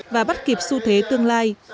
và bắt kịp xu thế tương lai